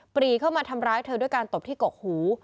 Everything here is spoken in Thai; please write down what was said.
ปรีเข้ามาทำร้ายเธอด้วยการตบที่กกหู